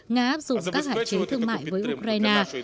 nga áp dụng các hạn chế thương mại với ukraine